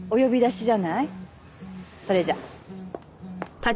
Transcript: それじゃ。